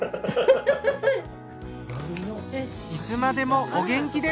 いつまでもお元気で！